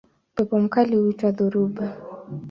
Upepo mkali huitwa dhoruba.